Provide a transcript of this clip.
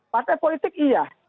partai politik iya